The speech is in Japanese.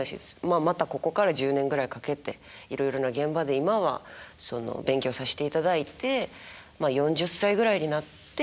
またここから１０年ぐらいかけていろいろな現場で今は勉強さしていただいてまあ４０歳ぐらいになって。